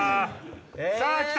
さぁきた！